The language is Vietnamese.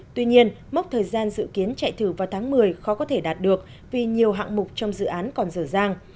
tuy nhiên mốc thời gian dự kiến chạy thử vào tháng một mươi khó có thể đạt được vì nhiều hạng mục trong dự án còn dở dàng